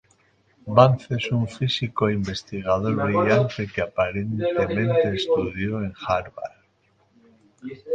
Vance es un físico e investigador brillante, que aparentemente estudió en Harvard.